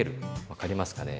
分かりますかね。